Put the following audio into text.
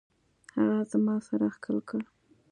هغه زما سر ښكل كړ.